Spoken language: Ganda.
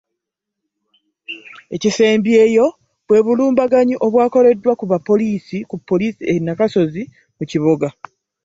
Ekisembyewo bwe bulumbaganyi obwakoleddwa ku bapoliisi ku poliisi e Nakasozi mu Kiboga